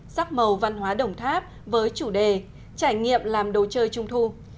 sắc màu văn hóa đồng tháp với chủ đề trải nghiệm làm đồ chơi trung thu